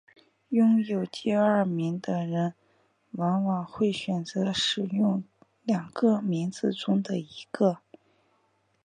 拥有第二名的人往往会选择使用两个名字中的一个。